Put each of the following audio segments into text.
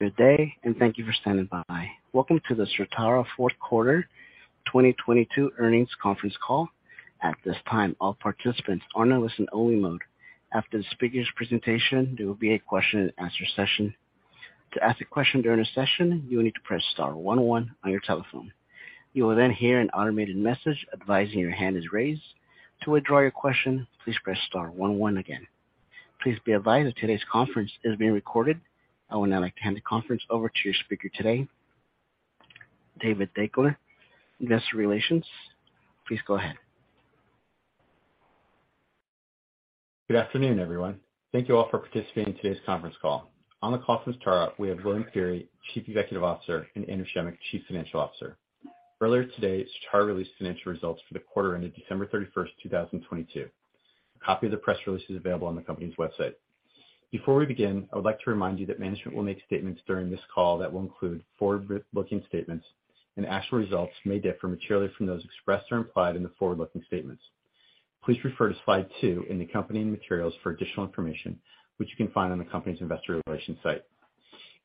Good day, thank you for standing by. Welcome to the Certara Fourth Quarter 2022 earnings conference call. At this time, all participants are in a listen only mode. After the speakers' presentation, there will be a question and answer session. To ask a question during the session, you will need to press star one one on your telephone. You will then hear an automated message advising your hand is raised. To withdraw your question, please press star one one again. Please be advised that today's conference is being recorded. I would now like to hand the conference over to your speaker today, David Deuchler, Investor Relations. Please go ahead. Good afternoon, everyone. Thank you all for participating in today's conference call. On the call from Certara, we have William Feehery, Chief Executive Officer, and Andrew Schemick, Chief Financial Officer. Earlier today, Certara released financial results for the quarter ended December 31, 2022. A copy of the press release is available on the company's website. Before we begin, I would like to remind you that management will make statements during this call that will include forward-looking statements, and actual results may differ materially from those expressed or implied in the forward-looking statements. Please refer to slide two in the accompanying materials for additional information, which you can find on the company's investor relations site.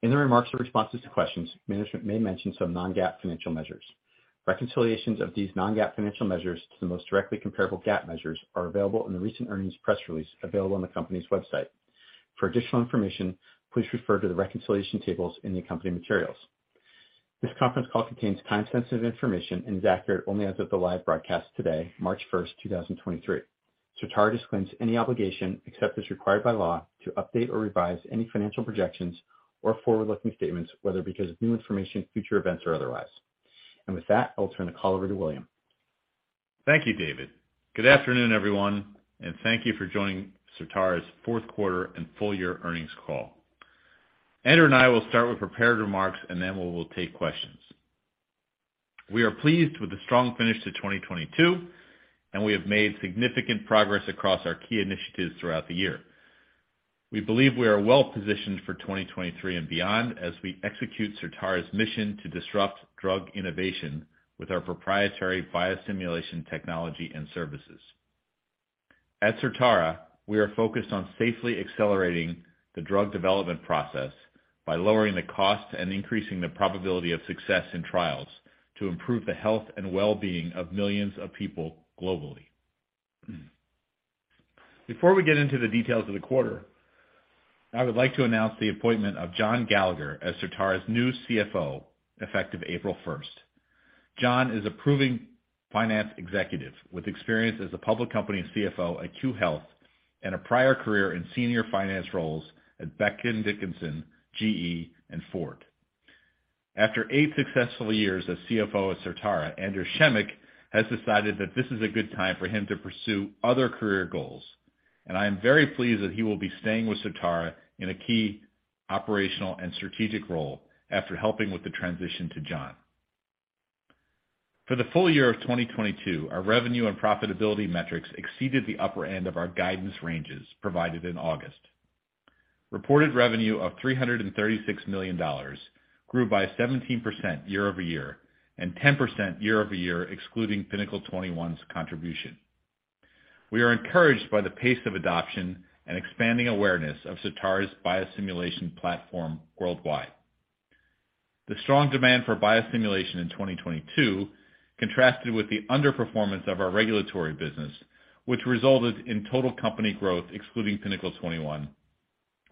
In the remarks or responses to questions, management may mention some non-GAAP financial measures. Reconciliations of these non-GAAP financial measures to the most directly comparable GAAP measures are available in the recent earnings press release available on the company's website. For additional information, please refer to the reconciliation tables in the accompanying materials. This conference call contains time-sensitive information and is accurate only as of the live broadcast today, March 1, 2023. Certara disclaims any obligation, except as required by law, to update or revise any financial projections or forward-looking statements, whether because of new information, future events, or otherwise. With that, I'll turn the call over to William. Thank you, David. Good afternoon, everyone, and thank you for joining Certara's Fourth Quarter and Full Year earnings call. Andrew and I will start with prepared remarks, then we will take questions. We are pleased with the strong finish to 2022, and we have made significant progress across our key initiatives throughout the year. We believe we are well-positioned for 2023 and beyond as we execute Certara's mission to disrupt drug innovation with our proprietary biosimulation technology and services. At Certara, we are focused on safely accelerating the drug development process by lowering the cost and increasing the probability of success in trials to improve the health and wellbeing of millions of people globally. Before we get into the details of the quarter, I would like to announce the appointment of John Gallagher as Certara's new CFO, effective April 1st. John Gallagher is a proving finance executive with experience as a public company's CFO at Cue Health and a prior career in senior finance roles at Becton Dickinson, GE, and Ford. After eight successful years as CFO at Certara, Andrew Schemick has decided that this is a good time for him to pursue other career goals, and I am very pleased that he will be staying with Certara in a key operational and strategic role after helping with the transition to John Gallagher. For the full year of 2022, our revenue and profitability metrics exceeded the upper end of our guidance ranges provided in August. Reported revenue of $336 million grew by 17% year-over-year and 10% year-over-year, excluding Pinnacle 21's contribution. We are encouraged by the pace of adoption and expanding awareness of Certara's biosimulation platform worldwide. The strong demand for biosimulation in 2022 contrasted with the underperformance of our regulatory business, which resulted in total company growth excluding Pinnacle 21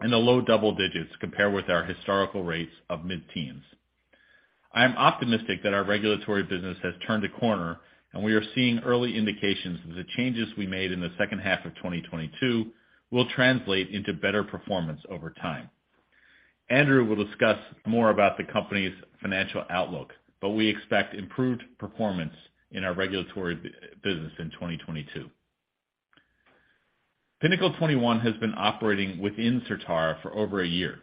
in the low double digits compared with our historical rates of mid-teens. I am optimistic that our regulatory business has turned a corner, and we are seeing early indications that the changes we made in the second half of 2022 will translate into better performance over time. Andrew will discuss more about the company's financial outlook, but we expect improved performance in our regulatory business in 2022. Pinnacle 21 has been operating within Certara for over a year,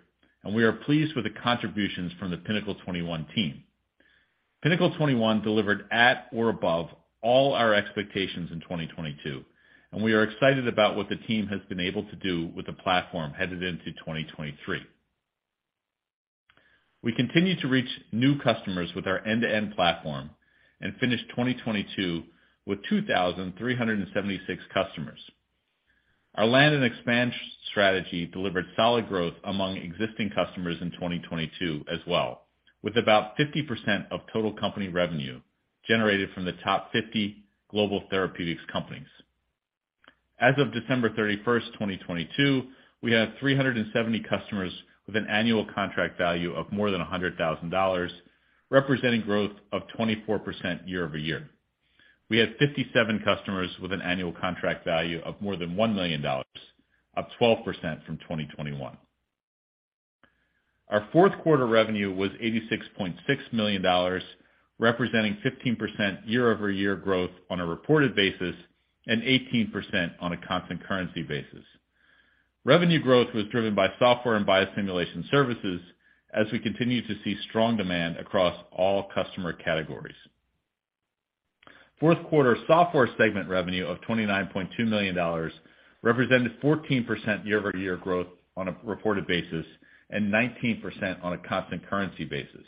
and we are pleased with the contributions from the Pinnacle 21 team. Pinnacle 21 delivered at or above all our expectations in 2022, and we are excited about what the team has been able to do with the platform headed into 2023. We continue to reach new customers with our end-to-end platform and finished 2022 with 2,376 customers. Our land and expansion strategy delivered solid growth among existing customers in 2022 as well, with about 50% of total company revenue generated from the top 50 global therapeutics companies. As of December 31st, 2022, we had 370 customers with an annual contract value of more than $100,000, representing growth of 24% year-over-year. We had 57 customers with an annual contract value of more than $1 million, up 12% from 2021. Our fourth quarter revenue was $86.6 million, representing 15% year-over-year growth on a reported basis and 18% on a constant currency basis. Revenue growth was driven by software and biosimulation services as we continue to see strong demand across all customer categories. Fourth quarter software segment revenue of $29.2 million represented 14% year-over-year growth on a reported basis and 19% on a constant currency basis.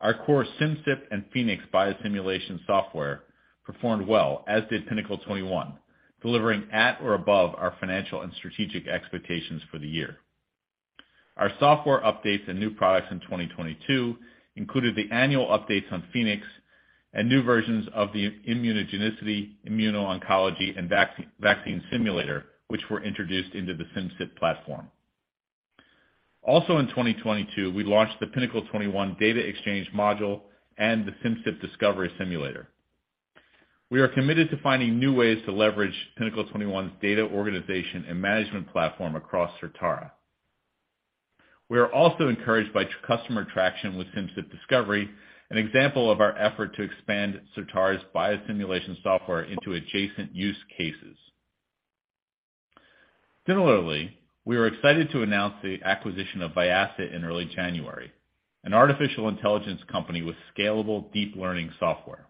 Our core Simcyp and Phoenix biosimulation software performed well, as did Pinnacle 21, delivering at or above our financial and strategic expectations for the year. Our software updates and new products in 2022 included the annual updates on Phoenix and new versions of the immunogenicity, immuno-oncology, and vaccine simulator, which were introduced into the Simcyp platform. In 2022, we launched the Pinnacle 21 Data Exchange module and the Simcyp Discovery simulator. We are committed to finding new ways to leverage Pinnacle 21's data organization and management platform across Certara. We are also encouraged by customer traction with Simcyp Discovery, an example of our effort to expand Certara's biosimulation software into adjacent use cases. Similarly, we are excited to announce the acquisition of Vyasa in early January, an artificial intelligence company with scalable deep learning software.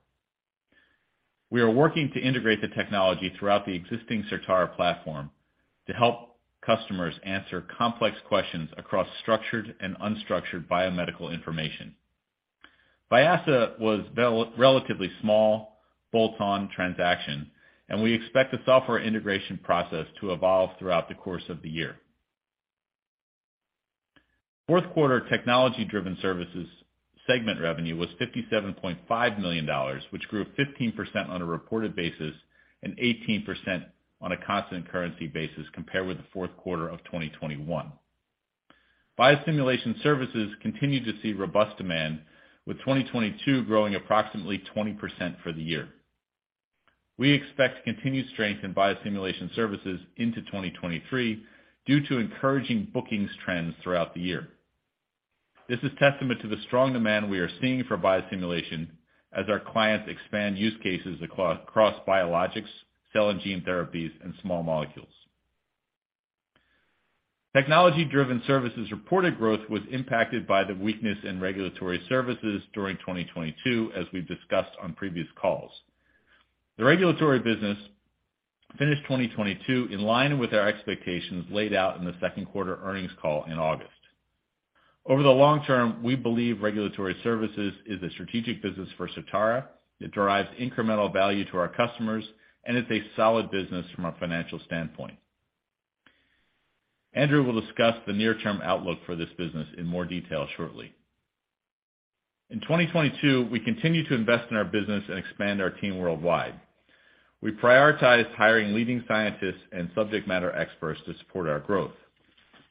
We are working to integrate the technology throughout the existing Certara platform to help customers answer complex questions across structured and unstructured biomedical information. Vyasa was relatively small bolt-on transaction, and we expect the software integration process to evolve throughout the course of the year. Fourth quarter technology-driven services segment revenue was $57.5 million, which grew 15% on a reported basis and 18% on a constant currency basis compared with the fourth quarter of 2021. Biosimulation services continued to see robust demand, with 2022 growing approximately 20% for the year. We expect continued strength in biosimulation services into 2023 due to encouraging bookings trends throughout the year. This is testament to the strong demand we are seeing for biosimulation as our clients expand use cases across biologics, cell and gene therapies, and small molecules. Technology-driven services reported growth was impacted by the weakness in regulatory services during 2022, as we've discussed on previous calls. The regulatory business finished 2022 in line with our expectations laid out in the second quarter earnings call in August. Over the long term, we believe regulatory services is a strategic business for Certara. It derives incremental value to our customers, and it's a solid business from a financial standpoint. Andrew will discuss the near-term outlook for this business in more detail shortly. In 2022, we continued to invest in our business and expand our team worldwide. We prioritized hiring leading scientists and subject matter experts to support our growth.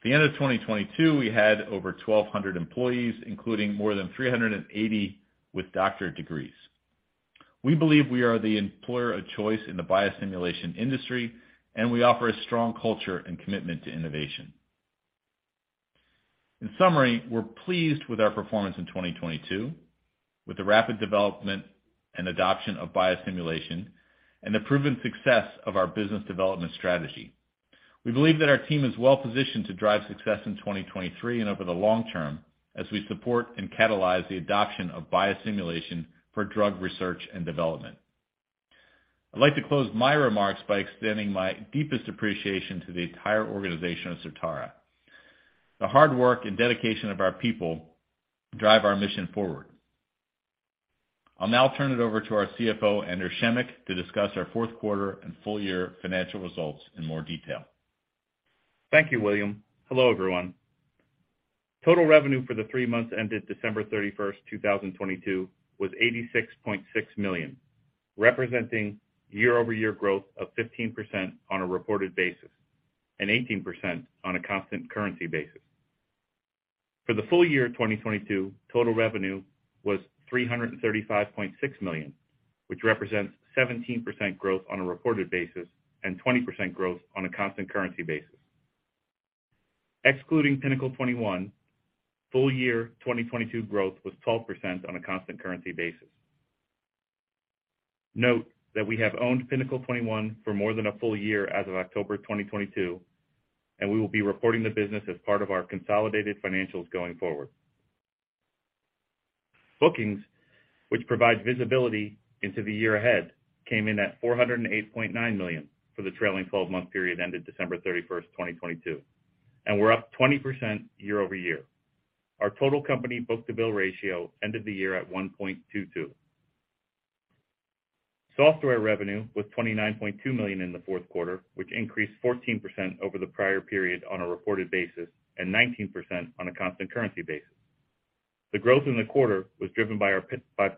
At the end of 2022, we had over 1,200 employees, including more than 380 with doctorate degrees. We believe we are the employer of choice in the biosimulation industry, and we offer a strong culture and commitment to innovation. In summary, we're pleased with our performance in 2022 with the rapid development and adoption of biosimulation and the proven success of our business development strategy. We believe that our team is well-positioned to drive success in 2023 and over the long term as we support and catalyze the adoption of biosimulation for drug research and development. I'd like to close my remarks by extending my deepest appreciation to the entire organization of Certara. The hard work and dedication of our people drive our mission forward. I'll now turn it over to our CFO, Andrew Schemick, to discuss our fourth quarter and full year financial results in more detail. Thank you, William. Hello, everyone. Total revenue for the three months ended December 31, 2022 was $86.6 million, representing year-over-year growth of 15% on a reported basis and 18% on a constant currency basis. For the full year 2022, total revenue was $335.6 million, which represents 17% growth on a reported basis and 20% growth on a constant currency basis. Excluding Pinnacle 21, full year 2022 growth was 12% on a constant currency basis. Note that we have owned Pinnacle 21 for more than a full year as of October 2022, and we will be reporting the business as part of our consolidated financials going forward. Bookings, which provide visibility into the year ahead, came in at $408.9 million for the trailing 12-month period ended December 31, 2022 and were up 20% year-over-year. Our total company book-to-bill ratio ended the year at 1.22. Software revenue was $29.2 million in the fourth quarter, which increased 14% over the prior period on a reported basis and 19% on a constant currency basis. The growth in the quarter was driven by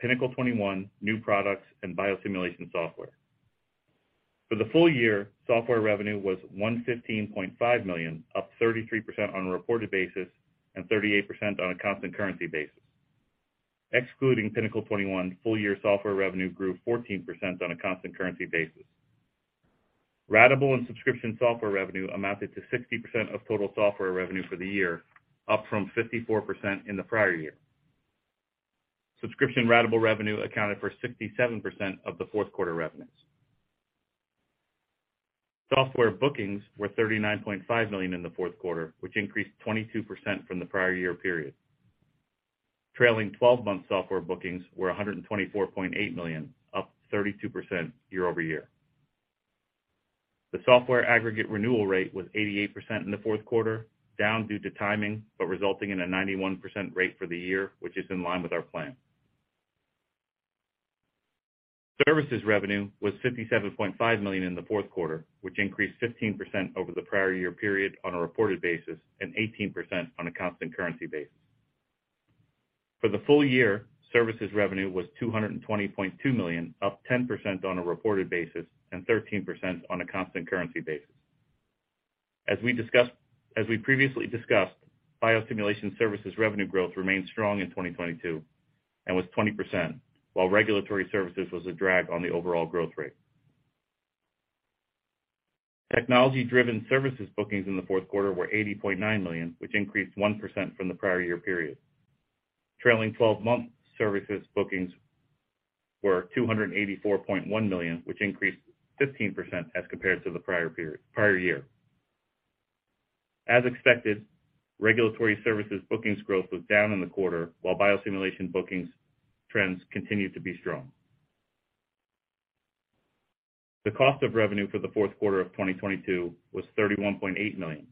Pinnacle 21 new products and biosimulation software. For the full year, software revenue was $115.5 million, up 33% on a reported basis and 38% on a constant currency basis. Excluding Pinnacle 21, full year software revenue grew 14% on a constant currency basis. Ratable and subscription software revenue amounted to 60% of total software revenue for the year, up from 54% in the prior year. Subscription ratable revenue accounted for 67% of the fourth quarter revenues. Software bookings were $39.5 million in the fourth quarter, which increased 22% from the prior year period. Trailing 12-month software bookings were $124.8 million, up 32% year-over-year. The software aggregate renewal rate was 88% in the fourth quarter, down due to timing, but resulting in a 91% rate for the year, which is in line with our plan. Services revenue was $57.5 million in the fourth quarter, which increased 15% over the prior year period on a reported basis and 18% on a constant currency basis. For the full year, services revenue was $220.2 million, up 10% on a reported basis and 13% on a constant currency basis. As we previously discussed, biosimulation services revenue growth remained strong in 2022 and was 20%, while regulatory services was a drag on the overall growth rate. Technology-driven services bookings in the fourth quarter were $80.9 million, which increased 1% from the prior year period. Trailing 12-month services bookings were $284.1 million, which increased 15% as compared to the prior year. As expected, regulatory services bookings growth was down in the quarter while biosimulation bookings trends continued to be strong. The cost of revenue for the fourth quarter of 2022 was $31.8 million,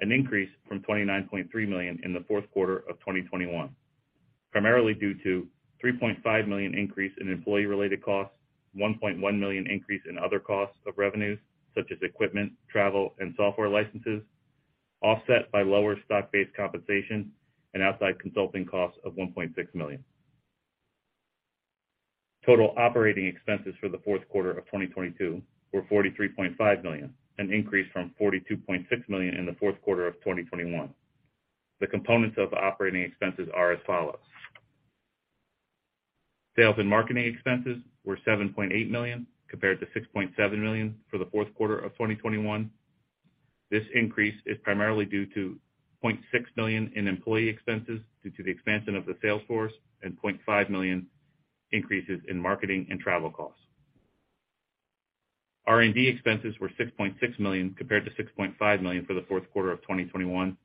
an increase from $29.3 million in the fourth quarter of 2021, primarily due to $3.5 million increase in employee-related costs, $1.1 million increase in other costs of revenues such as equipment, travel, and software licenses, offset by lower stock-based compensation and outside consulting costs of $1.6 million. Total operating expenses for the fourth quarter of 2022 were $43.5 million, an increase from $42.6 million in the fourth quarter of 2021. The components of operating expenses are as follows: Sales and marketing expenses were $7.8 million compared to $6.7 million for the fourth quarter of 2021. This increase is primarily due to $0.6 million in employee expenses due to the expansion of the sales force and $0.5 million increases in marketing and travel costs. R&D expenses were $6.6 million compared to $6.5 million for the fourth quarter of 2021.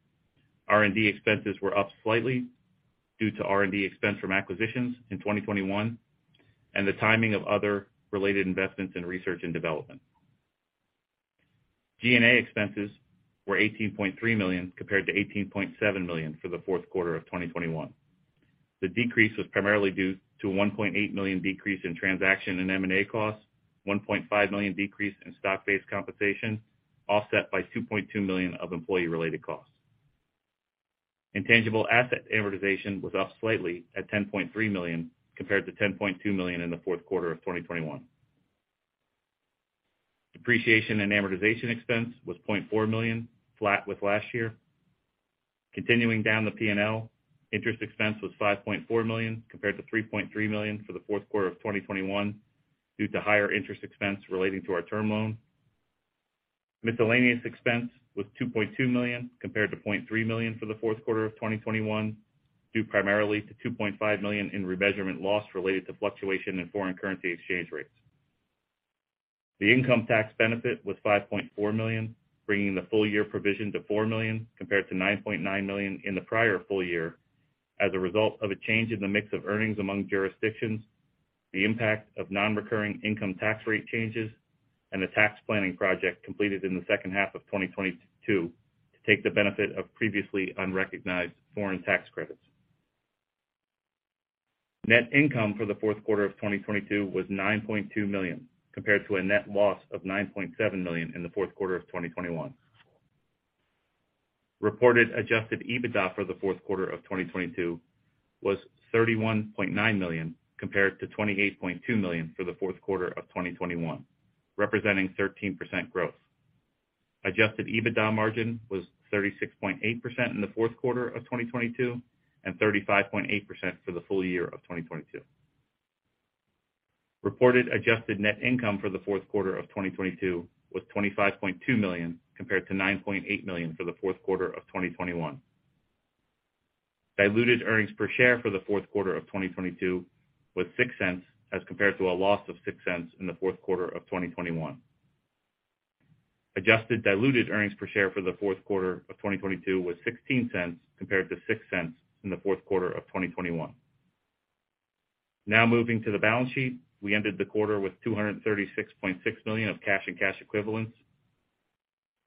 R&D expenses were up slightly due to R&D expense from acquisitions in 2021 and the timing of other related investments in research and development. G&A expenses were $18.3 million compared to $18.7 million for the fourth quarter of 2021. The decrease was primarily due to a $1.8 million decrease in transaction and M&A costs, $1.5 million decrease in stock-based compensation, offset by $2.2 million of employee-related costs. Intangible asset amortization was up slightly at $10.3 million compared to $10.2 million in the fourth quarter of 2021. Depreciation and amortization expense was $0.4 million, flat with last year. Continuing down the P&L, interest expense was $5.4 million compared to $3.3 million for the fourth quarter of 2021 due to higher interest expense relating to our term loan. Miscellaneous expense was $2.2 million compared to $0.3 million for the fourth quarter of 2021, due primarily to $2.5 million in remeasurement loss related to fluctuation in foreign currency exchange rates. The income tax benefit was $5.4 million, bringing the full year provision to $4 million compared to $9.9 million in the prior full year as a result of a change in the mix of earnings among jurisdictions, the impact of non-recurring income tax rate changes, and a tax planning project completed in the second half of 2022 to take the benefit of previously unrecognized foreign tax credits. Net income for the fourth quarter of 2022 was $9.2 million compared to a net loss of $9.7 million in the fourth quarter of 2021. Reported Adjusted EBITDA for the fourth quarter of 2022 was $31.9 million compared to $28.2 million for the fourth quarter of 2021, representing 13% growth. Adjusted EBITDA Margin was 36.8% in the fourth quarter of 2022 and 35.8% for the full year of 2022. Reported Adjusted Net Income for the fourth quarter of 2022 was $25.2 million compared to $9.8 million for the fourth quarter of 2021. Diluted earnings per share for the fourth quarter of 2022 was $0.06 as compared to a loss of $0.06 in the fourth quarter of 2021. Adjusted diluted earnings per share for the fourth quarter of 2022 was $0.16 compared to $0.06 in the fourth quarter of 2021. Now moving to the balance sheet. We ended the quarter with $236.6 million of cash and cash equivalents.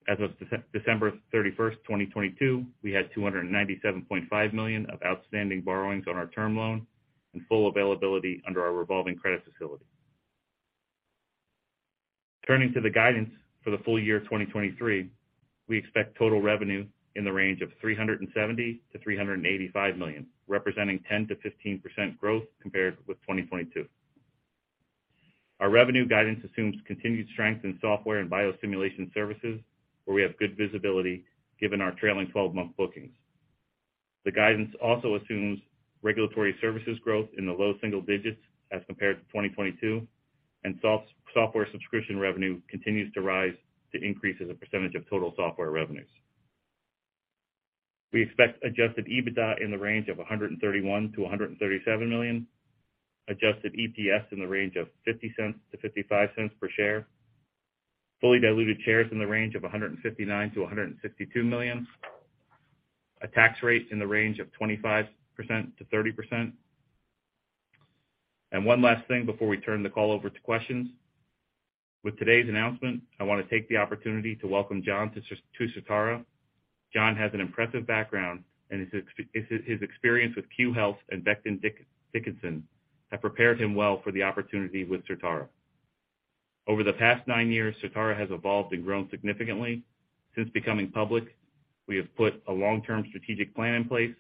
As of December 31st, 2022, we had $297.5 million of outstanding borrowings on our term loan and full availability under our revolving credit facility. Turning to the guidance for the full year 2023, we expect total revenue in the range of $370 million-$385 million, representing 10%-15% growth compared with 2022. Our revenue guidance assumes continued strength in software and biosimulation services, where we have good visibility given our trailing 12-month bookings. The guidance also assumes regulatory services growth in the low single digits as compared to 2022, and software subscription revenue continues to rise to increase as a percentage of total software revenues. We expect Adjusted EBITDA in the range of $131 million-$137 million, Adjusted EPS in the range of $0.50-$0.55 per share, fully diluted shares in the range of 159 million-162 million, a tax rate in the range of 25%-30%. One last thing before we turn the call over to questions. With today's announcement, I want to take the opportunity to welcome John to Certara. John has an impressive background, and his experience with Cue Health and Becton Dickinson have prepared him well for the opportunity with Certara. Over the past nine years, Certara has evolved and grown significantly. Since becoming public, we have put a long-term strategic plan in place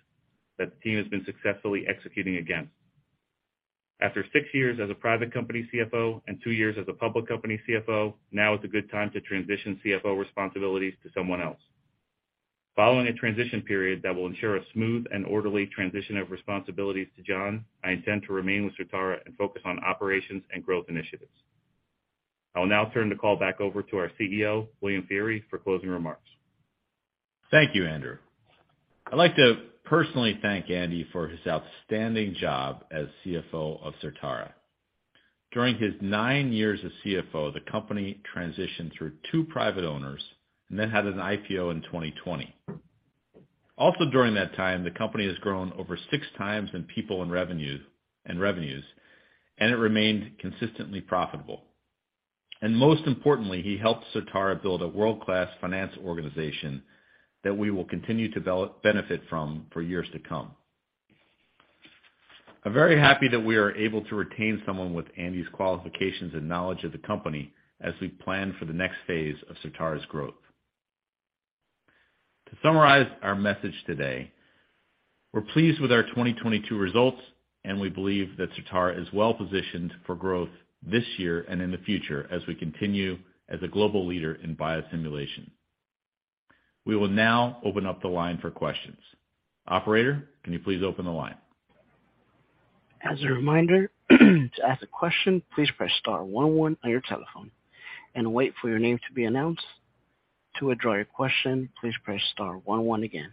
that the team has been successfully executing against. After six years as a private company CFO and two years as a public company CFO, now is a good time to transition CFO responsibilities to someone else. Following a transition period that will ensure a smooth and orderly transition of responsibilities to John, I intend to remain with Certara and focus on operations and growth initiatives. I will now turn the call back over to our CEO, William Feehery, for closing remarks. Thank you, Andrew. I'd like to personally thank Andy for his outstanding job as CFO of Certara. During his nine years as CFO, the company transitioned through two private owners and then had an IPO in 2020. During that time, the company has grown over 6x in people and revenues, and it remained consistently profitable. Most importantly, he helped Certara build a world-class finance organization that we will continue to benefit from for years to come. I'm very happy that we are able to retain someone with Andy's qualifications and knowledge of the company as we plan for the next phase of Certara's growth. To summarize our message today, we're pleased with our 2022 results, and we believe that Certara is well positioned for growth this year and in the future as we continue as a global leader in biosimulation. We will now open up the line for questions. Operator, can you please open the line? As a reminder, to ask a question, please press star one one on your telephone and wait for your name to be announced. To withdraw your question, please press star one one again.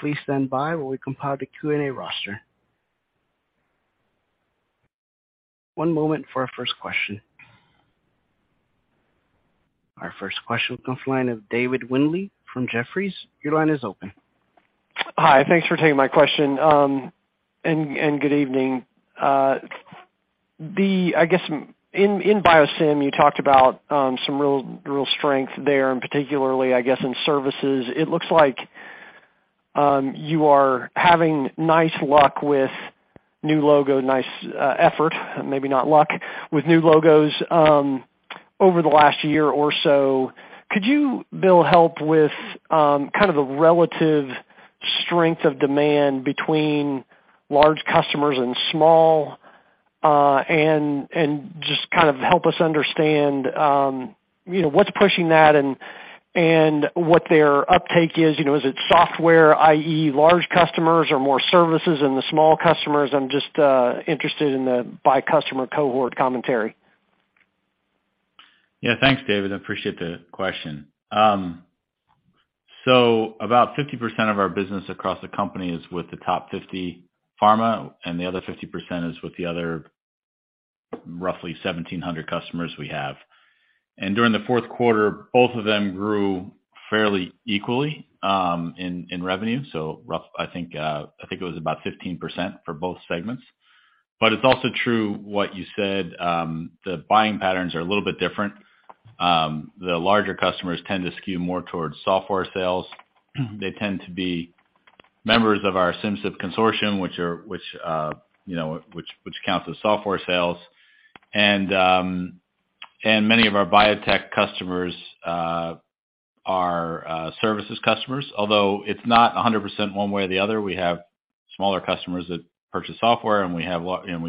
Please stand by while we compile the Q&A roster. One moment for our first question. Our first question comes line of David Windley from Jefferies. Your line is open. Hi. Thanks for taking my question, and good evening. I guess in Biosim, you talked about some real strength there, and particularly, I guess, in services. It looks like you are having nice luck with new logo, nice effort, maybe not luck, with new logos over the last year or so. Could you, Will, help with kind of the relative strength of demand between large customers and small, and just kind of help us understand, you know, what's pushing that and what their uptake is? You know, is it software, i.e., large customers or more services in the small customers? I'm just interested in the by-customer cohort commentary. Yeah. Thanks, David. I appreciate the question. About 50% of our business across the company is with the top 50 pharma, and the other 50% is with the other roughly 1,700 customers we have. During the fourth quarter, both of them grew fairly equally in revenue. I think it was about 15% for both segments. It's also true what you said. The buying patterns are a little bit different. The larger customers tend to skew more towards software sales. They tend to be members of our Simcyp Consortium, which, you know, counts as software sales. Many of our biotech customers are services customers. Although it's not 100% one way or the other. We have smaller customers that purchase software, and we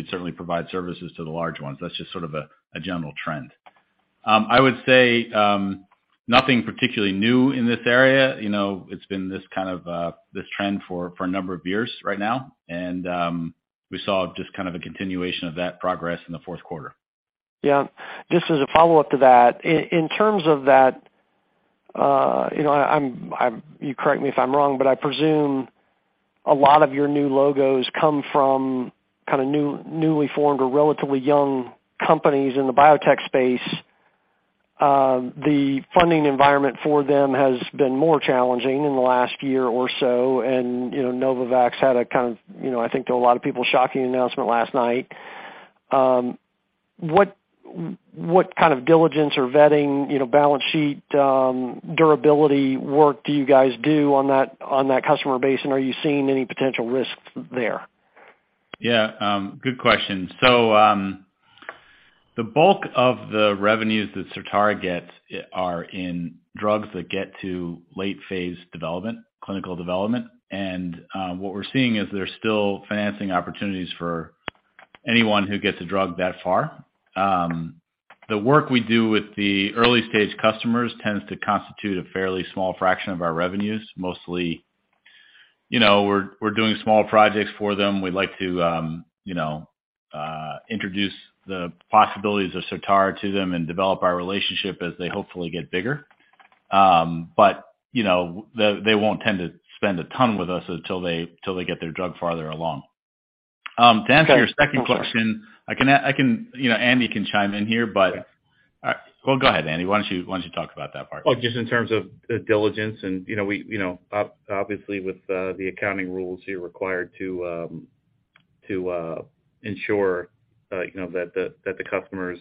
certainly provide services to the large ones. That's just sort of a general trend. I would say nothing particularly new in this area. You know, it's been this kind of this trend for a number of years right now, and we saw just kind of a continuation of that progress in the fourth quarter. Yeah. Just as a follow-up to that. In, in terms of that, you know, you correct me if I'm wrong, but I presume a lot of your new logos come from kind of new, newly formed or relatively young companies in the biotech space. The funding environment for them has been more challenging in the last year or so. You know, Novavax had a kind of, you know, I think to a lot of people, shocking announcement last night. What kind of diligence or vetting, you know, balance sheet, durability work do you guys do on that customer base, and are you seeing any potential risks there? Yeah. Good question. The bulk of the revenues that Certara gets are in drugs that get to late phase development, clinical development. What we're seeing is there's still financing opportunities for anyone who gets a drug that far. The work we do with the early-stage customers tends to constitute a fairly small fraction of our revenues. Mostly, you know, we're doing small projects for them. We like to, you know, introduce the possibilities of Certara to them and develop our relationship as they hopefully get bigger. But, you know, they won't tend to spend a ton with us until they, till they get their drug farther along. To answer your second question, I can, you know, Andy can chime in here. All right. Well, go ahead, Andy. Why don't you talk about that part? Oh, just in terms of the diligence and, you know, we, you know, obviously with the accounting rules, you're required to ensure, you know, that the customer's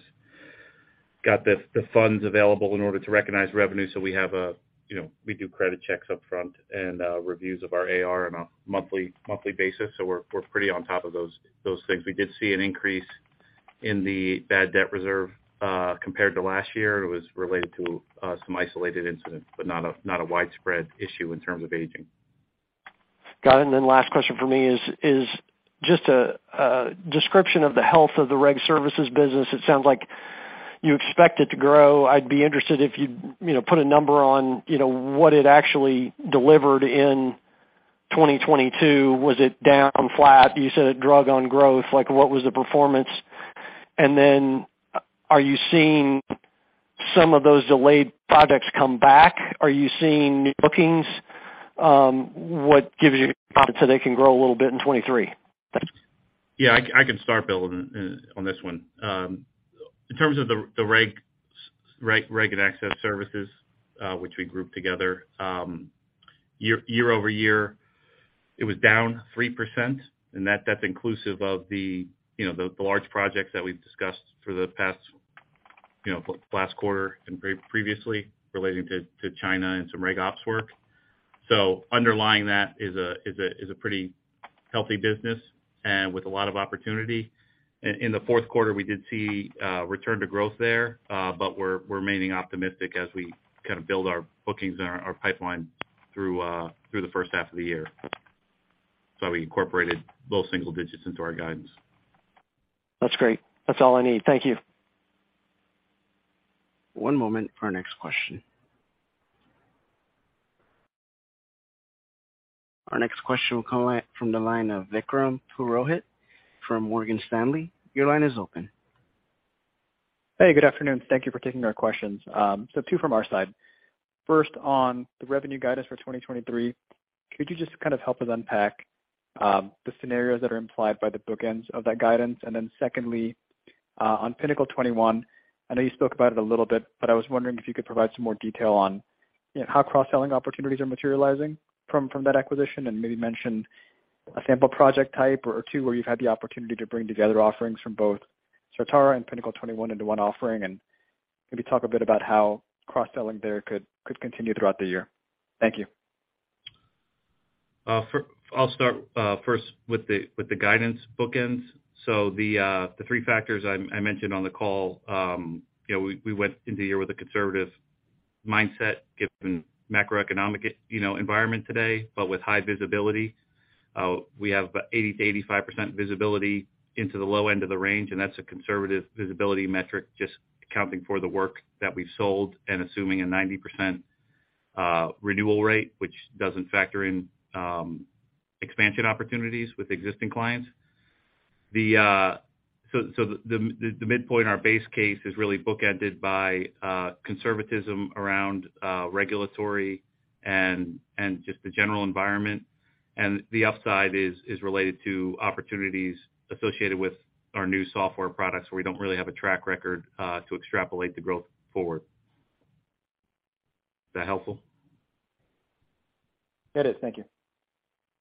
got the funds available in order to recognize revenue. So we have a, you know, we do credit checks upfront and reviews of our AR on a monthly basis. So we're pretty on top of those things. We did see an increase in the bad debt reserve compared to last year. It was related to some isolated incidents, but not a widespread issue in terms of aging. Got it. Last question for me is just a description of the health of the reg services business. It sounds like you expect it to grow. I'd be interested if you'd, you know, put a number on, you know, what it actually delivered in 2022. Was it down, flat? You said it drug on growth. Like, what was the performance? Are you seeing some of those delayed projects come back? Are you seeing bookings? What gives you confidence that they can grow a little bit in 2023? Yeah, I can start, William, on this one. In terms of the reg and access services, which we group together, year over year, it was down 3%, and that's inclusive of the, you know, the large projects that we've discussed for the past, you know, last quarter and previously relating to China and some reg ops work. Underlying that is a pretty healthy business and with a lot of opportunity. In the fourth quarter, we did see return to growth there, we're remaining optimistic as we kind of build our bookings and our pipeline through the first half of the year. We incorporated low single digits into our guidance. That's great. That's all I need. Thank you. One moment for our next question. Our next question will come from the line of Vikram Purohit from Morgan Stanley. Your line is open. Hey, good afternoon. Thank you for taking our questions. two from our side. First, on the revenue guidance for 2023, could you just kind of help us unpack the scenarios that are implied by the bookends of that guidance? Secondly, on Pinnacle 21, I know you spoke about it a little bit, but I was wondering if you could provide some more detail on how cross-selling opportunities are materializing from that acquisition and maybe mention a sample project type or two where you've had the opportunity to bring together offerings from both Certara and Pinnacle 21 into one offering, and maybe talk a bit about how cross-selling there could continue throughout the year. Thank you. I'll start first with the guidance bookends. The three factors I mentioned on the call, you know, we went into the year with a conservative mindset given macroeconomic, you know, environment today, but with high visibility. We have about 80%-85% visibility into the low end of the range, and that's a conservative visibility metric, just accounting for the work that we've sold and assuming a 90% renewal rate, which doesn't factor in expansion opportunities with existing clients. The midpoint in our base case is really bookended by conservatism around regulatory and just the general environment. The upside is related to opportunities associated with our new software products, where we don't really have a track record to extrapolate the growth forward. Is that helpful? It is. Thank you.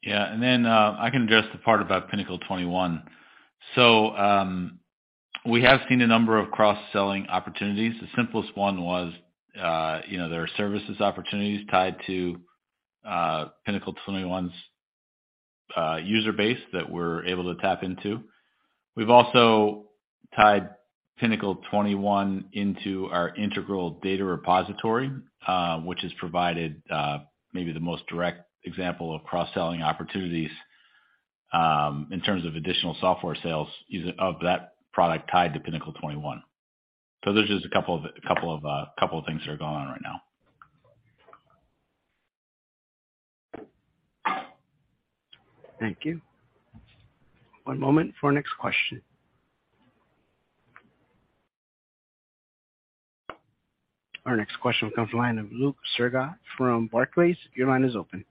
Yeah. I can address the part about Pinnacle 21. We have seen a number of cross-selling opportunities. The simplest one was, you know, there are services opportunities tied to Pinnacle 21's user base that we're able to tap into. We've also tied Pinnacle 21 into our Integral Data Repository, which has provided maybe the most direct example of cross-selling opportunities, in terms of additional software sales either of that product tied to Pinnacle 21. There's just a couple of things that are going on right now. Thank you. One moment for our next question. Our next question comes line of Luke Sergott from Barclays. Your line is open.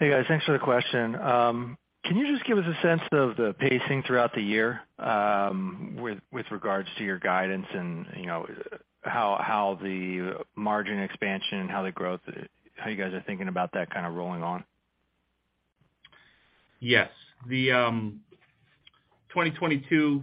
Hey, guys. Thanks for the question. Can you just give us a sense of the pacing throughout the year, with regards to your guidance and, you know, how the margin expansion, how the growth, how you guys are thinking about that kind of rolling on? Yes. The 2022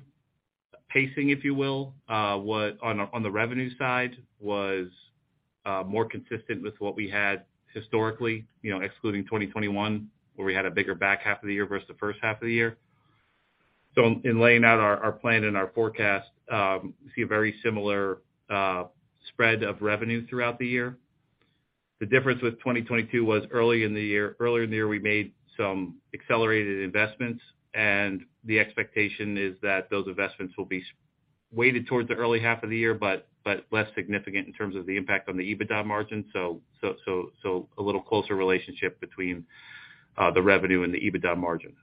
pacing, if you will, was on the revenue side more consistent with what we had historically, you know, excluding 2021, where we had a bigger back half of the year versus the first half of the year. In laying out our plan and our forecast, we see a very similar spread of revenue throughout the year. The difference with 2022 was earlier in the year, we made some accelerated investments, and the expectation is that those investments will be weighted towards the early half of the year, but less significant in terms of the impact on the EBITDA margin. A little closer relationship between the revenue and the EBITDA margin.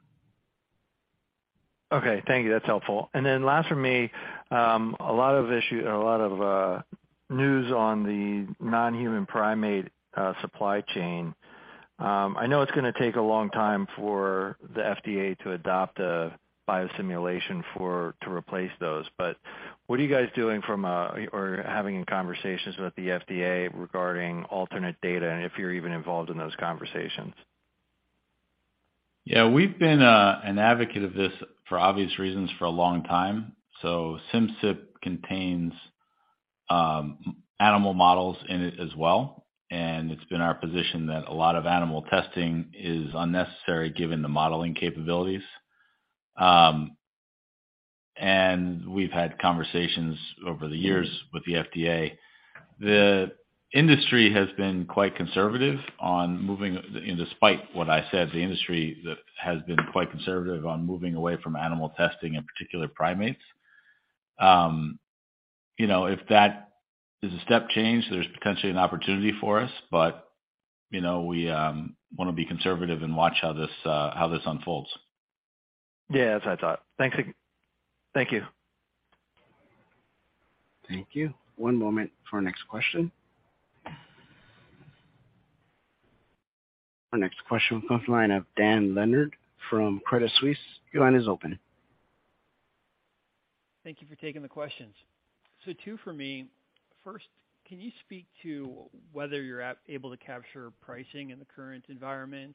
Okay. Thank you. That's helpful. Last for me, a lot of News on the non-human primate supply chain. I know it's gonna take a long time for the FDA to adopt a biosimulation to replace those. What are you guys doing or having conversations with the FDA regarding alternate data and if you're even involved in those conversations? Yeah. We've been an advocate of this for obvious reasons for a long time. Simcyp contains animal models in it as well, and it's been our position that a lot of animal testing is unnecessary given the modeling capabilities. We've had conversations over the years with the FDA. The industry has been quite conservative on moving away from animal testing, in particular primates. You know, if that is a step change, there's potentially an opportunity for us. You know, we wanna be conservative and watch how this unfolds. Yeah, that's what I thought. Thanks again. Thank you. Thank you. One moment for our next question. Our next question comes from the line of Dan Leonard from Credit Suisse. Your line is open. Thank you for taking the questions. two for me. First, can you speak to whether you're able to capture pricing in the current environment?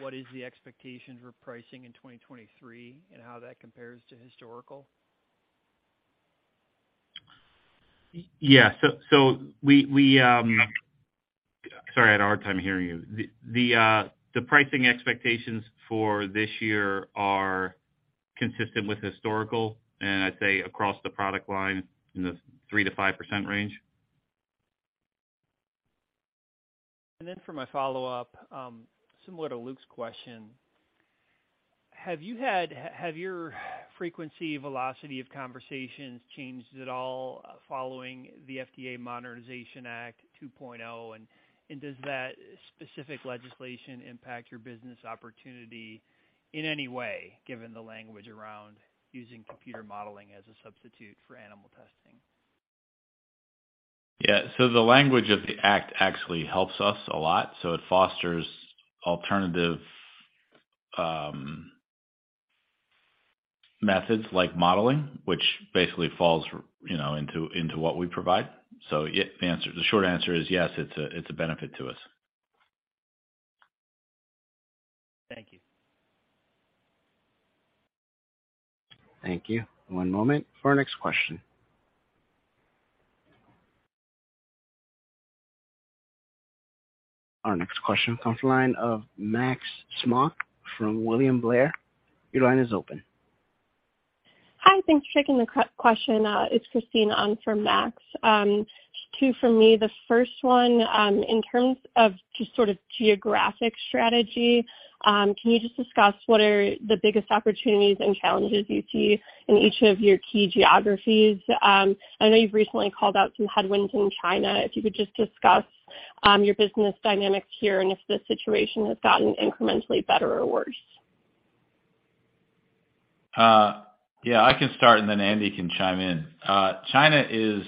What is the expectation for pricing in 2023, and how that compares to historical? Yeah. Sorry, I had a hard time hearing you. The pricing expectations for this year are consistent with historical, I'd say across the product line in the 3%-5% range. Then for my follow-up, similar to Luke's question, have your frequency velocity of conversations changed at all following the FDA Modernization Act 2.0, and does that specific legislation impact your business opportunity in any way, given the language around using computer modeling as a substitute for animal testing? Yeah. The language of the act actually helps us a lot. It fosters alternative methods like modeling, which basically falls, you know, into what we provide. Yeah, the short answer is yes, it's a benefit to us. Thank you. Thank you. One moment for our next question. Our next question comes the line of Max Smock from William Blair. Your line is open. Hi. Thanks for taking the question. It's Christine on for Max. Two for me. The first one, in terms of just sort of geographic strategy, can you just discuss what are the biggest opportunities and challenges you see in each of your key geographies? I know you've recently called out some headwinds in China. If you could just discuss your business dynamics here and if the situation has gotten incrementally better or worse. Yeah. I can start and then Andy can chime in. China is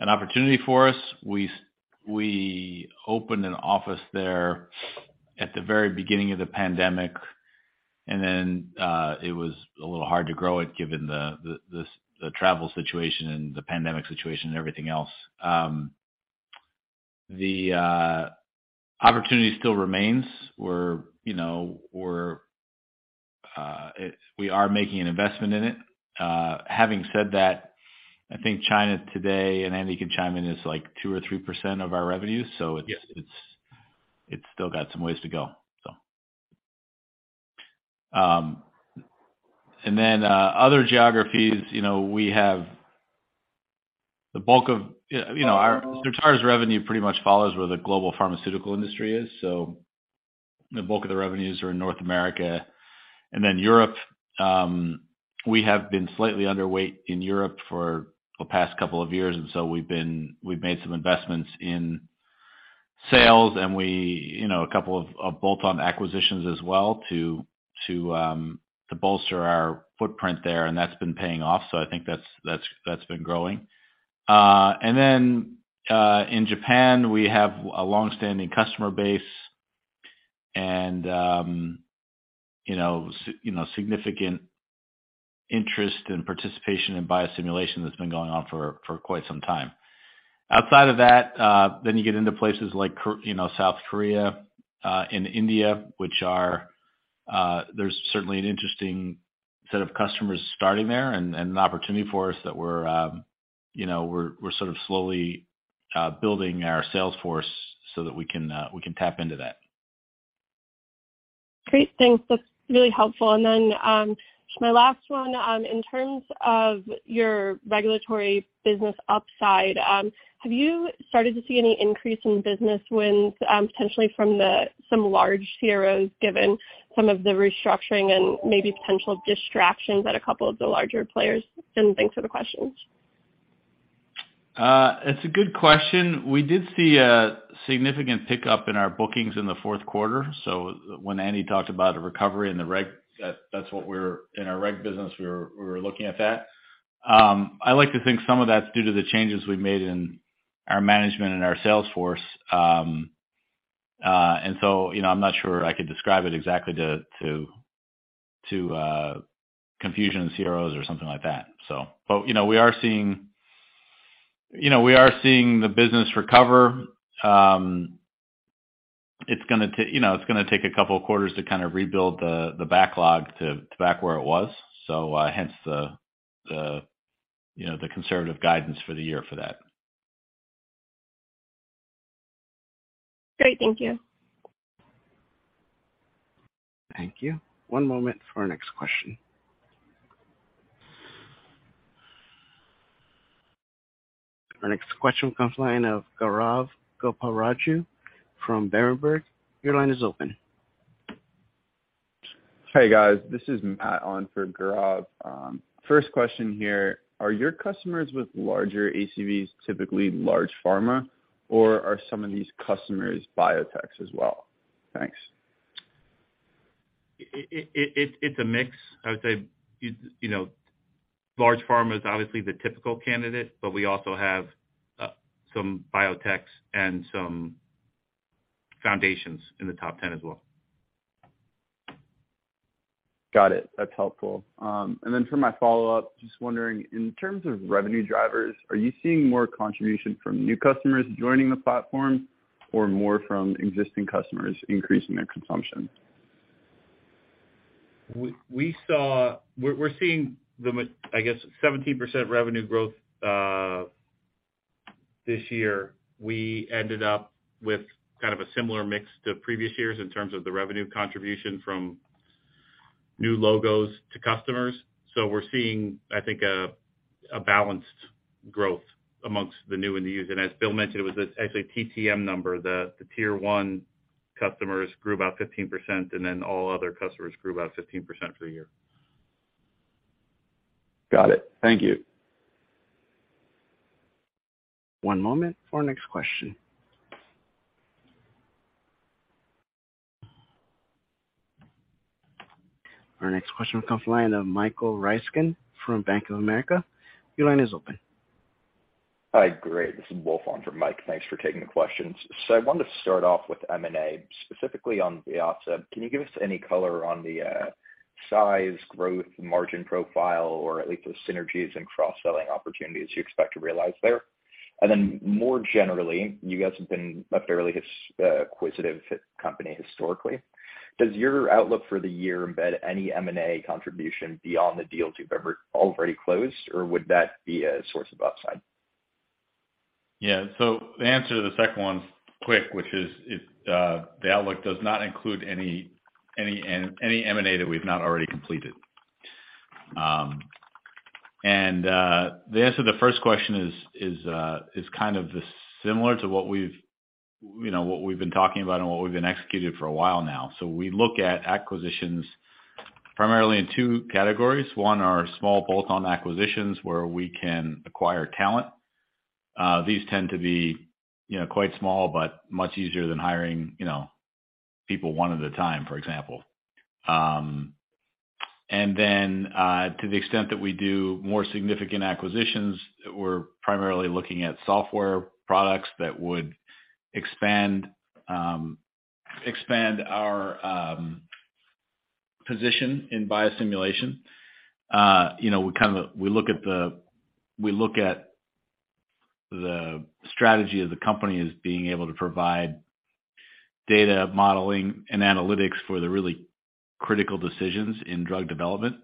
an opportunity for us. We opened an office there at the very beginning of the pandemic, then it was a little hard to grow it given the travel situation and the pandemic situation and everything else. The opportunity still remains. We're, you know, we are making an investment in it. Having said that, I think China today, and Andy can chime in, is like 2% or 3% of our revenue. Yes. It's still got some ways to go. And then, other geographies, you know, we have the bulk of. You know, Certara's revenue pretty much follows where the global pharmaceutical industry is. The bulk of the revenues are in North America and then Europe. We have been slightly underweight in Europe for the past couple of years, and so we've made some investments in sales, and we, you know, a couple of bolt-on acquisitions as well to bolster our footprint there, and that's been paying off. I think that's been growing. In Japan, we have a long-standing customer base and, you know, significant interest and participation in biosimulation that's been going on for quite some time. Outside of that, then you get into places like South Korea, and India, which are, there's certainly an interesting set of customers starting there and an opportunity for us that we're, you know, we're sort of slowly building our sales force so that we can tap into that. Great. Thanks. That's really helpful. Just my last one. In terms of your regulatory business upside, have you started to see any increase in business wins, potentially from the some large CROs, given some of the restructuring and maybe potential distractions at a couple of the larger players? Thanks for the questions. It's a good question. We did see a significant pickup in our bookings in the fourth quarter. When Andy talked about a recovery in the reg, that's what we're in our reg business, we were looking at that. I like to think some of that's due to the changes we've made in our management and our sales force, and so, you know, I'm not sure I could describe it exactly to confusion CROs or something like that, so. You know, we are seeing, you know, we are seeing the business recover. It's gonna take a couple of quarters to kind of rebuild the backlog to back where it was. Hence the, you know, the conservative guidance for the year for that. Great. Thank you. Thank you. One moment for our next question. Our next question comes line of Gaurav Goparaju from Berenberg. Your line is open. Hey, guys. This is Matt on for Gaurav. First question here: Are your customers with larger ACVs typically large pharma, or are some of these customers biotechs as well? Thanks. It's a mix. I would say, you know, large pharma is obviously the typical candidate, but we also have some biotechs and some foundations in the top 10 as well. Got it. That's helpful. Then for my follow-up, just wondering, in terms of revenue drivers, are you seeing more contribution from new customers joining the platform or more from existing customers increasing their consumption? We saw. We're seeing the I guess 17% revenue growth this year. We ended up with kind of a similar mix to previous years in terms of the revenue contribution from new logos to customers. We're seeing, I think, a balanced growth amongst the new and used. As Will mentioned, it was actually TTM number. The tier one customers grew about 15%, and then all other customers grew about 15% for a year. Got it. Thank you. One moment for our next question. Our next question comes line of Michael Ryskin from Bank of America. Your line is open. Hi. Great. This is Wolf on for Mike. Thanks for taking the questions. I wanted to start off with M&A, specifically on the offset. Can you give us any color on the size, growth, margin profile or at least the synergies and cross-selling opportunities you expect to realize there? More generally, you guys have been a fairly acquisitive company historically. Does your outlook for the year embed any M&A contribution beyond the deals you've ever already closed, or would that be a source of upside? Yeah. The answer to the second one's quick, which is it, the outlook does not include any M&A that we've not already completed. The answer to the first question is kind of the similar to what we've, you know, what we've been talking about and what we've been executing for a while now. We look at acquisitions primarily in two categories. One are small bolt-on acquisitions where we can acquire talent. These tend to be, you know, quite small but much easier than hiring, you know, people one at a time, for example. To the extent that we do more significant acquisitions, we're primarily looking at software products that would expand our position in biosimulation. You know, we kinda, we look at the strategy of the company as being able to provide data modeling and analytics for the really critical decisions in drug development.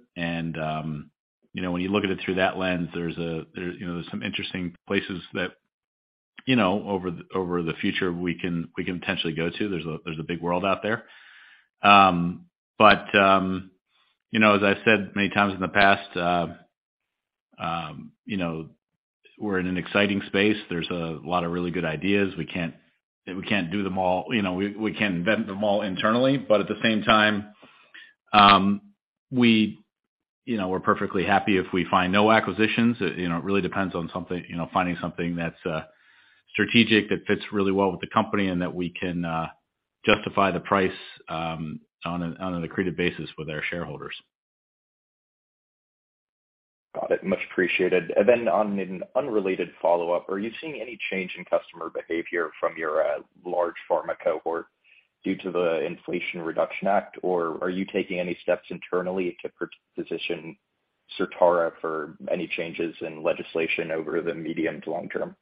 You know, when you look at it through that lens, there's, you know, there's some interesting places that, you know, over the future we can potentially go to. There's a big world out there. You know, as I said many times in the past, you know, we're in an exciting space. There's a lot of really good ideas. We can't do them all. You know, we can't vet them all internally, but at the same time, we, you know, we're perfectly happy if we find no acquisitions. You know, it really depends on something, you know, finding something that's strategic, that fits really well with the company and that we can justify the price on an accretive basis with our shareholders. Got it. Much appreciated. On an unrelated follow-up, are you seeing any change in customer behavior from your large pharma cohort due to the Inflation Reduction Act, or are you taking any steps internally to position Certara for any changes in legislation over the medium to long term?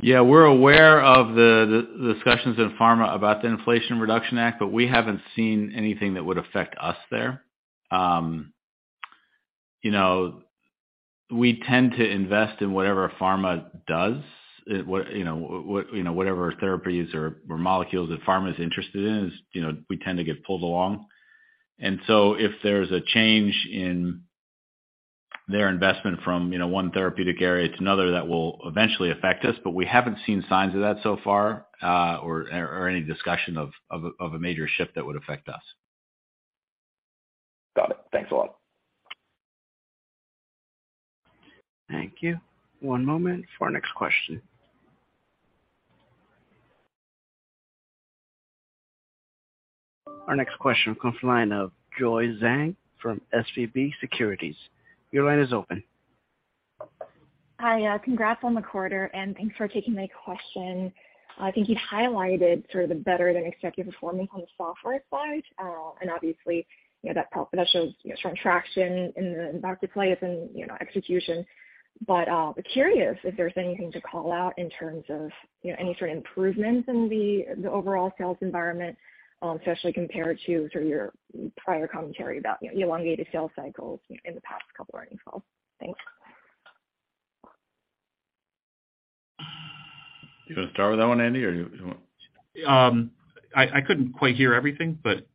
Yeah. We're aware of the discussions in pharma about the Inflation Reduction Act, but we haven't seen anything that would affect us there. You know, we tend to invest in whatever pharma does. What, you know, whatever therapies or molecules that pharma's interested in is, you know, we tend to get pulled along. If there's a change in their investment from, you know, one therapeutic area to another, that will eventually affect us. We haven't seen signs of that so far, or any discussion of a, of a major shift that would affect us. Got it. Thanks a lot. Thank you. One moment for our next question. Our next question comes from line of Joy Zhang from SVB Securities. Your line is open. Hi. congrats on the quarter, and thanks for taking my question. I think you'd highlighted sort of the better than expected performance on the software side. obviously, you know, that shows, you know, strong traction in the marketplace and, you know, execution. Curious if there's anything to call out in terms of, you know, any sort of improvements in the overall sales environment, especially compared to sort of your prior commentary about, you know, elongated sales cycles in the past couple earnings calls. Thanks. You wanna start with that one, Andy, or you want... I couldn't quite hear everything, but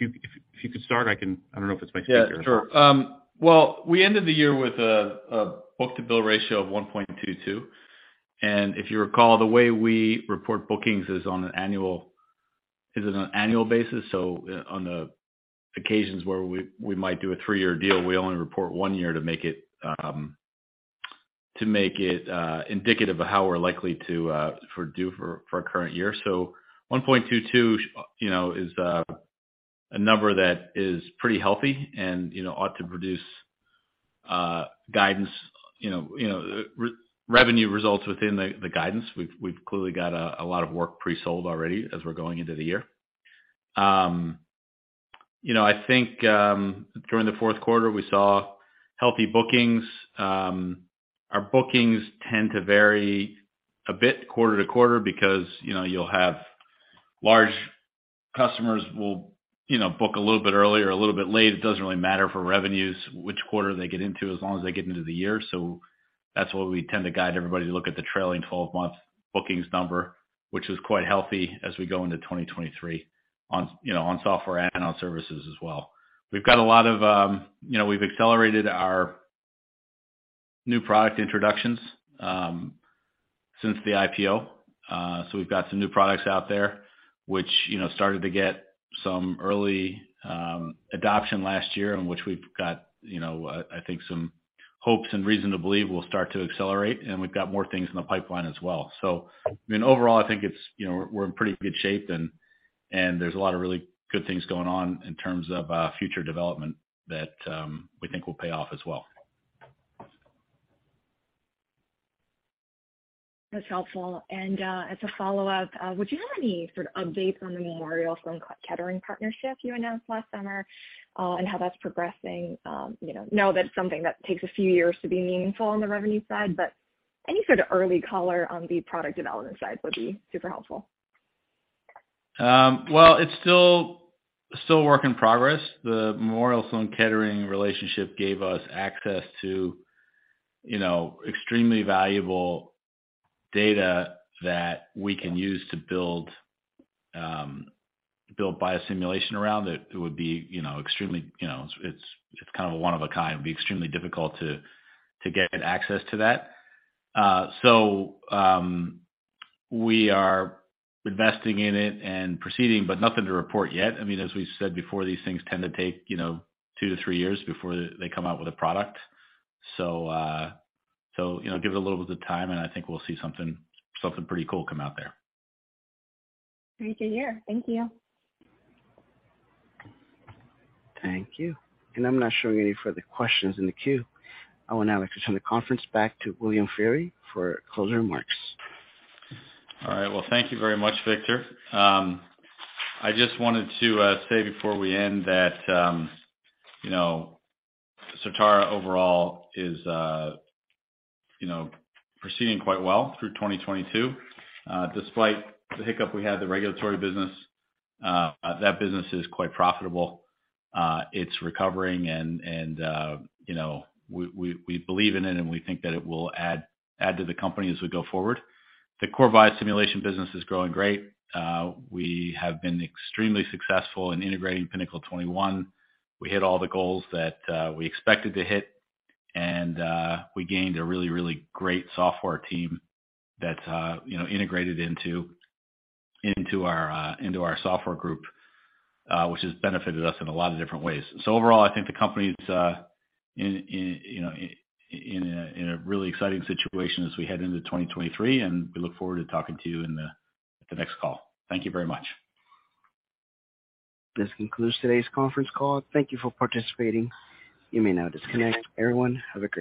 if you could start, I can... I don't know if it's my speaker. Yeah. Sure. Well, we ended the year with a book-to-bill ratio of 1.22. If you recall, the way we report bookings is on an annual basis. On the occasions where we might do a three-year deal, we only report one year to make it, to make it indicative of how we're likely to for due for our current year. 1.22, you know, is a number that is pretty healthy and, you know, ought to produce guidance, you know, re-revenue results within the guidance. We've clearly got a lot of work pre-sold already as we're going into the year. You know, I think during the fourth quarter, we saw healthy bookings. Our bookings tend to vary a bit quarter to quarter because, you know, you'll have large customers will, you know, book a little bit early or a little bit late. It doesn't really matter for revenues which quarter they get into, as long as they get into the year. That's why we tend to guide everybody to look at the trailing 12-month bookings number, which is quite healthy as we go into 2023 on, you know, on software and on services as well. We've got a lot of, you know. We've accelerated our new product introductions since the IPO. We've got some new products out there, which, you know, started to get some early adoption last year, and which we've got, you know, I think some hopes and reason to believe will start to accelerate, and we've got more things in the pipeline as well. I mean, overall, I think it's, you know, we're in pretty good shape and there's a lot of really good things going on in terms of future development that we think will pay off as well. That's helpful. As a follow-up, would you have any sort of update on the Memorial Sloan Kettering partnership you announced last summer, and how that's progressing? You know, that it's something that takes a few years to be meaningful on the revenue side, but any sort of early color on the product development side would be super helpful. Well, it's still a work in progress. The Memorial Sloan Kettering relationship gave us access to, you know, extremely valuable data that we can use to build biosimulation around it. It would be, you know, extremely, you know, it's kind of a one-of-a-kind. It'd be extremely difficult to get access to that. We are investing in it and proceeding, but nothing to report yet. I mean, as we said before, these things tend to take, you know, two to three years before they come out with a product. You know, give it a little bit of time, and I think we'll see something pretty cool come out there. Great to hear. Thank you. Thank you. I'm not showing any further questions in the queue. I will now like to turn the conference back to William Feehery for closing remarks. All right. Well, thank you very much, Victor. I just wanted to say before we end that, you know, Certara overall is, you know, proceeding quite well through 2022. Despite the hiccup we had, the regulatory business, that business is quite profitable. It's recovering and, you know, we believe in it, and we think that it will add to the company as we go forward. The core biosimulation business is growing great. We have been extremely successful in integrating Pinnacle 21. We hit all the goals that we expected to hit, and we gained a really great software team that, you know, integrated into our software group, which has benefited us in a lot of different ways. Overall, I think the company's, in, you know, in a really exciting situation as we head into 2023, we look forward to talking to you in the next call. Thank you very much. This concludes today's conference call. Thank you for participating. You may now disconnect. Everyone, have a great day.